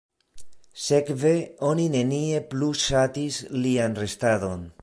Sekve oni nenie plu ŝatis lian restadon.